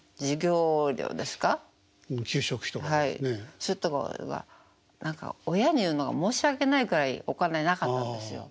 そういうとこが親に言うのが申し訳ないぐらいお金なかったんですよ。